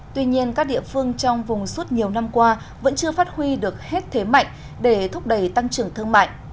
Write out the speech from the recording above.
tuy nhiên các địa phương trong vùng suốt nhiều năm qua vẫn chưa phát huy được hết thế mạnh để thúc đẩy tăng trưởng thương mại